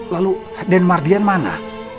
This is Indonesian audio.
lalu dan mardian mana